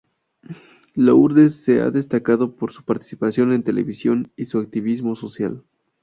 Lourdes se ha destacado por su participación en televisión y su activismo social.